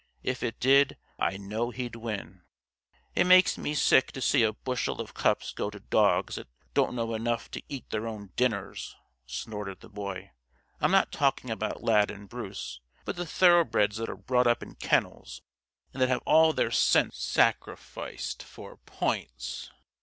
If it did, I know he'd win." "It makes me sick to see a bushel of cups go to dogs that don't know enough to eat their own dinners," snorted the Boy. "I'm not talking about Lad and Bruce, but the thoroughbreds that are brought up in kennels and that have all their sense sacrificed for points.